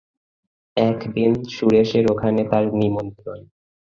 একদিন সুরেশের ওখানে তাঁর নিমন্ত্রণ।